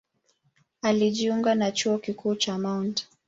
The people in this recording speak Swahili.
Alijiunga na Chuo Kikuu cha Mt.